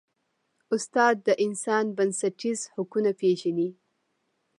استاد د انسان بنسټیز حقونه پېژني.